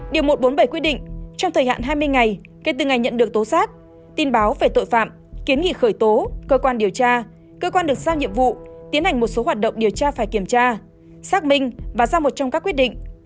điều một trăm bốn mươi bảy quy định trong thời hạn hai mươi ngày kể từ ngày nhận được tố xác tin báo về tội phạm kiến nghị khởi tố cơ quan điều tra cơ quan được sao nhiệm vụ tiến hành một số hoạt động điều tra phải kiểm tra xác minh và ra một trong các quyết định